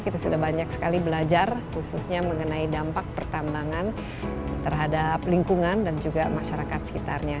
kita sudah banyak sekali belajar khususnya mengenai dampak pertambangan terhadap lingkungan dan juga masyarakat sekitarnya